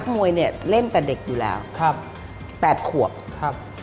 ก็น่ารักครับ